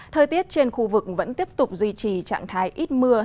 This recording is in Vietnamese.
thời tiết trên khu vực vẫn tiếp tục duy trì trạng thái ít mưa